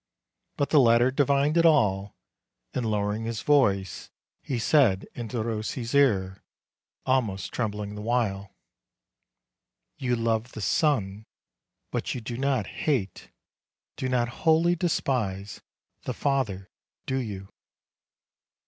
But the latter divined it all, and lowering his voice, he said in Derossi's ear, almost trembling the while: "You love the son; but you do not hate, do not wholly despise the father, do you?"